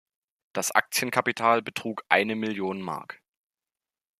Das Aktienkapital betrug eine Million Mark.